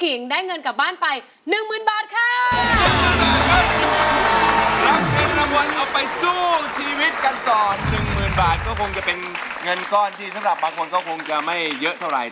ก็คงจะเป็นเงินก้อนที่สำหรับบางคนก็คงจะไม่เยอะเท่าไหร่